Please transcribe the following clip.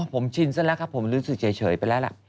ผมชินซะแล้วครับผมรู้สึกเฉยไปแล้วล่ะ